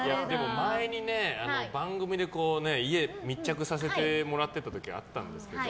前に番組で家、密着させてもらってた時あったんですけど